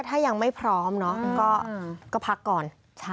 ถ้ายังไม่พร้อมเนาะก็พักก่อน